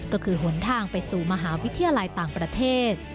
ก็คือหนทางไปสู่มหาวิทยาลัยต่างประเทศ